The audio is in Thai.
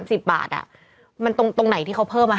อยู่ข้างหลังนะแล้วมีไอ้ชาวเราอ่อน